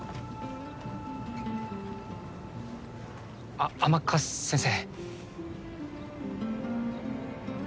あっ甘春先生。